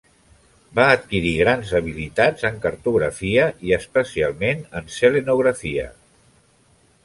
Va adquirir grans habilitats en cartografia i especialment en selenografia.